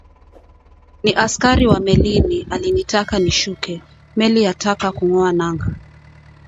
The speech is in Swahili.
Ni askari wa melini akinitaka nishuke, meli yataka kung’oa nanga